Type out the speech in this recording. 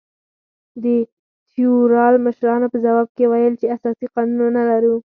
د تیورال مشرانو په ځواب کې ویل چې اساسي قانون ونه لرو.